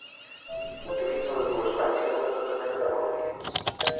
Utilitza les dues mans i toca tota mena de melodies.